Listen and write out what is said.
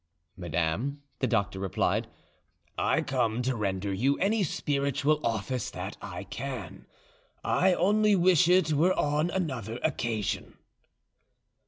"Madame," the doctor replied, "I come to render you any spiritual office that I can; I only wish it were on another occasion."